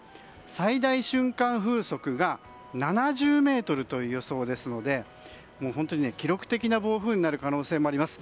最大瞬間風速が７０メートルという予想ですので本当に記録的な暴風雨になる可能性もあります。